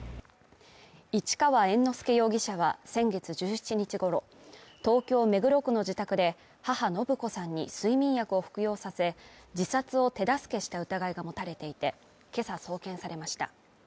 市川猿之助容疑者は、先月１７日ごろ、東京・目黒区の自宅で母・延子さんに睡眠薬を服用させ、自殺を手助けした疑いが持たれていて、けさ送検されました。